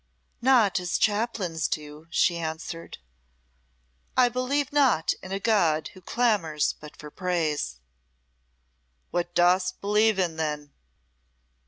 "Not as chaplains do," she answered. "I believe not in a God who clamours but for praise." "What dost believe in, then?"